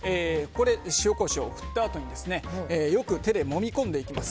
塩、コショウを振ったあとによく手でもみ込んでいきます。